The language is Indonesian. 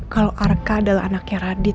kalo rk adalah anaknya radit